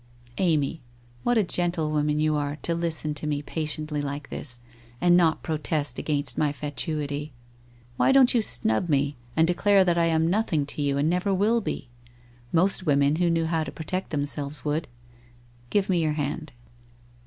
... Amy, what a gentlewoman you are to listen to me patiently like this, and not protest against my fatuity ! Why don't you snub me, and declare that I am nothing to you and never will be? Most women who knew how to protect themselves would. ... Give me your hand.'